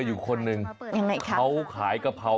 โอ้โห